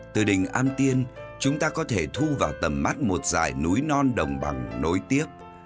từ đỉnh am tiên chúng ta có thể thu vào tầm mắt một giải núi non đồng bằng nối tiếc